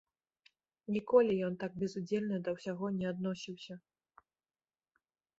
Ніколі ён так безудзельна да ўсяго не адносіўся.